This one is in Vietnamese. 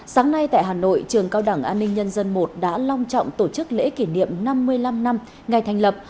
sáng nay tại hà nội trường cao đẳng an ninh nhân dân i đã long trọng tổ chức lễ kỷ niệm năm mươi năm năm ngày thành lập